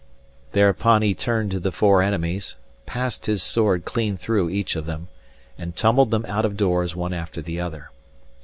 Thereupon he turned to the four enemies, passed his sword clean through each of them, and tumbled them out of doors one after the other.